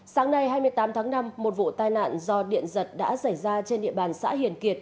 sáng nay hai mươi tám tháng năm một vụ tai nạn do điện giật đã xảy ra trên địa bàn xã hiền kiệt